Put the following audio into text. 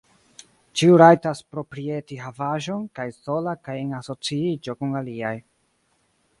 Ĉiu rajtas proprieti havaĵon, kaj sola kaj en asociiĝo kun aliaj.